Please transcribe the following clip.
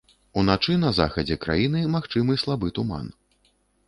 Уначы на захадзе краіны магчымы слабы туман.